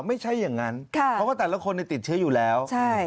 ไม่ใช่อย่างนั้นเพราะว่าแต่ละคนติดเชื้ออยู่แล้ว